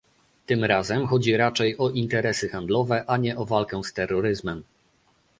Tym razem chodzi raczej o interesy handlowe, a nie o walkę z terroryzmem